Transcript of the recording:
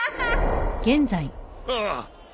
ああ